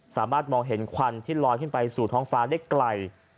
สามารถมองเห็นห่วงขวัญที่ลอยที่ห้องลดขึ้นไปได้ไหล